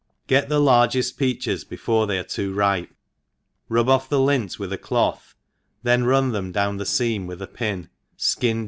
GET the largcft peaches before they are too ripe, rub off the lint with a cloth, then run^ th^m down the fcaw with a pin, ikin d?